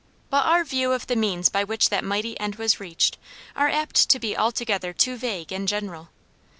But our views of the means by which that mighty end was reached are apt to be altogether too vague and general.